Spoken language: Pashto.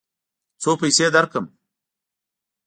څو پیسې درکړم؟